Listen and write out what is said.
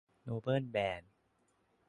โนเบิลแบน